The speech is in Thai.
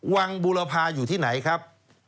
บูรพาอยู่ที่ไหนครับ